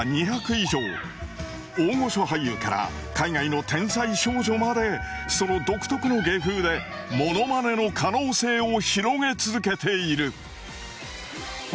大御所俳優から海外の天才少女までその独特の芸風でモノマネの可能性を広げ続けている。